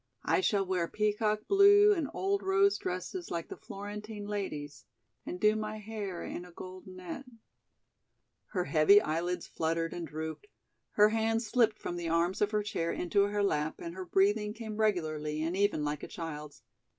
"I shall wear peacock blue and old rose dresses like the Florentine ladies and do my hair in a gold net " Her heavy eyelids fluttered and drooped, her hands slipped from the arms of her chair into her lap and her breathing came regularly and even like a child's.